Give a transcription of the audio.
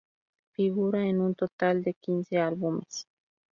Figura en un total de quince álbumes.